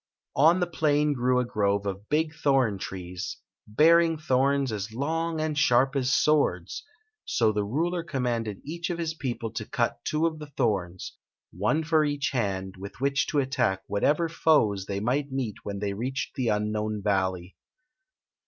On the plain grew a grove of big thorn trees, bear ing thorns as long and sharp as swords ; so the ruler commanded each of his people to cuf two of the thorns, one for each hand, with which to attack what ever f^es they might meet when they reached the unknown valley.